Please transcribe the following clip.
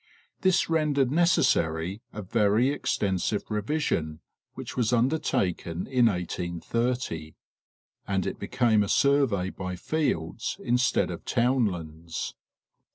This rendered necessary a very extensive revision which was undertaken in 1830, and it became a survey by fields instead of townlands.